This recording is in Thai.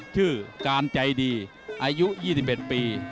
ชื่อการใจดีอายุ๒๑ปี